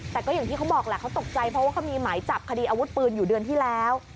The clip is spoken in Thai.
แต่ก็อย่างที่เขาบอกแหละเขาตกใจเพราะว่าเขามีหมายจับคดีอาวุธปืนอยู่เดือนที่แล้ว